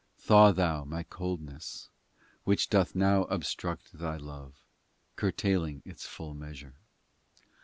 Thaw Thou my coldness, Which doth now obstruct Thy love, Curtailing its full measure